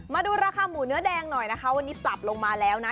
มาดูราคาหมูเนื้อแดงหน่อยนะคะวันนี้ปรับลงมาแล้วนะ